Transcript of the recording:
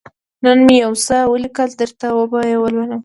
_نن مې يو څه ولېکل، درته وبه يې لولم.